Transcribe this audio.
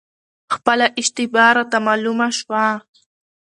خپله اشتباه راته معلومه شوه،